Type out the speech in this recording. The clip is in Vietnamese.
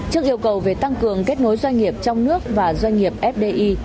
trước yêu cầu về tăng cường kết nối doanh nghiệp trong nước và doanh nghiệp fdi